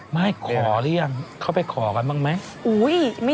ไม่ขอหรือยังเขาไปขอกันบ้างไหม